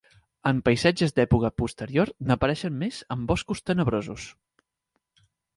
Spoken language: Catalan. En paisatges d'època posterior n'apareixen més amb boscos tenebrosos.